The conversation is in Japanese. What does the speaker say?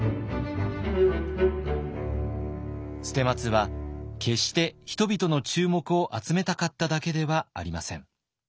捨松は決して人々の注目を集めたかっただけではありません。